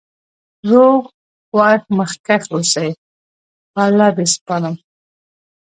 روغ خوښ مخکښ اوسی.پر الله د سپارم